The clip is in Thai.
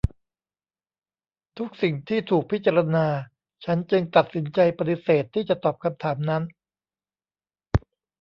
ทุกสิ่งที่ถูกพิจารณา ฉันจึงตัดสินใจปฏิเสธที่จะตอบคำถามนั้น